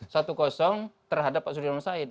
satu terhadap pak sudirman said